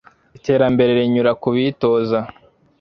iterambere rinyura kubitoza